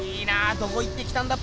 どこ行ってきたんだっぺ。